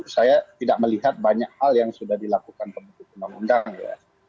saya tidak melihat banyak hal yang sudah dilakukan pembentuk undang undang ya